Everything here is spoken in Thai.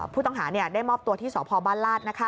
ผู้ต้องหาได้มอบตัวที่สพบ้านลาด